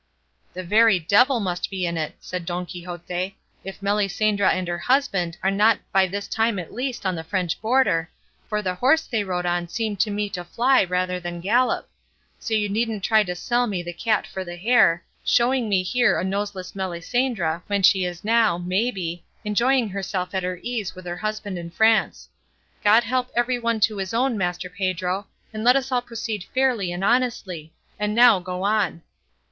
"The very devil must be in it," said Don Quixote, "if Melisendra and her husband are not by this time at least on the French border, for the horse they rode on seemed to me to fly rather than gallop; so you needn't try to sell me the cat for the hare, showing me here a noseless Melisendra when she is now, may be, enjoying herself at her ease with her husband in France. God help every one to his own, Master Pedro, and let us all proceed fairly and honestly; and now go on."